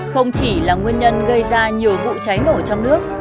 không chỉ là nguyên nhân gây ra nhiều vụ cháy nổ trong nước